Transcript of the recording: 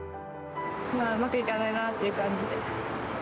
うまくいかないなっていう感じで。